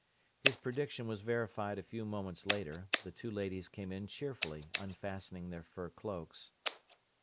His prediction was verified a few moments later; the two ladies came in cheerfully, unfastening their fur cloaks.